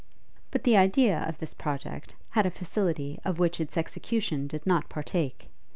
But the idea of this project had a facility of which its execution did not partake.